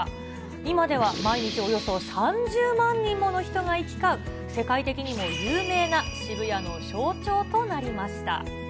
今では毎日およそ３０万人もの人が行き交う、世界的にも有名な渋谷の象徴となりました。